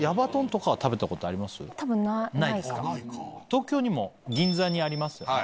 東京にも銀座にありますよね。